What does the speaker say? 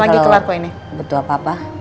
kalau butuh apa apa